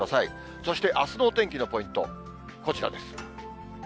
そしてあすのお天気のポイント、こちらです。